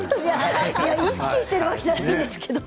意識してるわけじゃないんですけどね。